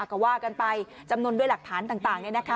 ก็ว่ากันไปจำนวนด้วยหลักฐานต่าง